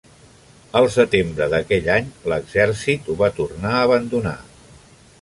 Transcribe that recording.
El setembre d'aquell any, l'exèrcit ho va tornar a abandonar.